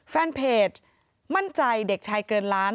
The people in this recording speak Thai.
แฟนเพจมั่นใจเด็กไทยเกินล้าน